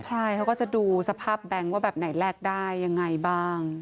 ใช่เขาก็จะดูสภาพแบงค์ว่าแบบไหนแลกได้ยังไงบ้าง